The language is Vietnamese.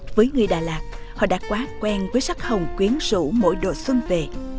với người đà lạt họ đã quá quen với sắc hồng quyến rũ mỗi độ xuân về